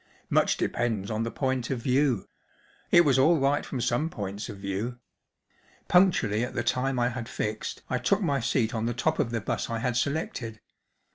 " Much depends on the point of view ; it was all right from some points of view. Punctually at the time I had fixed I took my seat on the top of the bus I had selected.